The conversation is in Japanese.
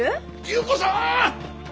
優子さん！